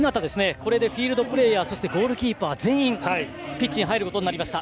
これでフィールドプレーヤーとゴールキーパーが全員、ピッチに入ることになりました。